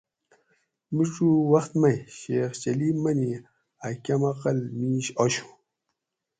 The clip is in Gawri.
میڄوک وخت مئ شیخ چلی منی اۤ کم عقل میش آشو